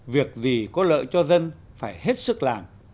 việc gì có lợi cho dân phải hết sức làm